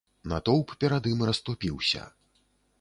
Натоўп перад ім расступіўся.